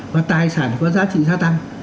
và tài sản thì có giá trị gia tăng